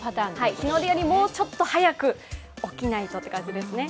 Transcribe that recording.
日の出よりもうちょっと早く起きないとという感じですね。